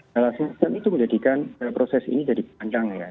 dan itu menjadikan proses ini jadi panjang ya